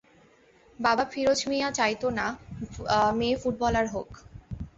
বাবা ফিরোজ মিয়া চাইত না মেয়ে ফুটবলার হোক।